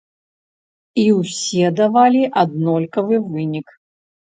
І ўсе давалі аднолькавы вынік.